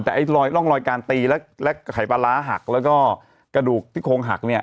แต่ไอ้ร่องรอยการตีและไข่ปลาร้าหักแล้วก็กระดูกที่โครงหักเนี่ย